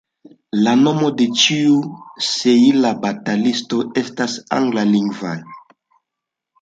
La nomoj de ĉiuj Sejla-batalistoj estas angla-lingvaj.